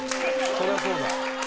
「そりゃそうだ」